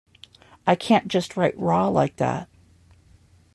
I can't just write raw like that.